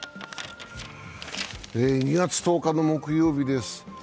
２月１０日の木曜日です。